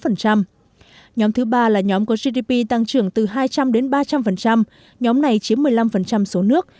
nhóm thứ ba là nhóm có gdp tăng trưởng từ hai trăm linh đến ba trăm linh nhóm này chiếm một mươi năm số nước